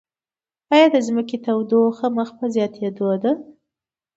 ایا د ځمکې تودوخه مخ په زیاتیدو ده؟